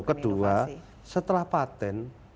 kedua setelah patent